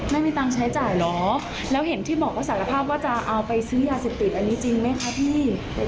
ไม่มีตังค์ใช้จ่ายเหรอแล้วเห็นที่บอกว่าสารภาพว่าจะเอาไปซื้อยาเสพติดอันนี้จริงไหมคะพี่